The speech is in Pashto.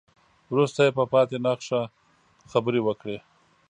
وروسته يې په پاتې نخشه خبرې وکړې.